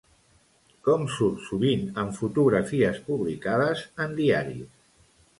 Com surt sovint en fotografies publicades en diaris?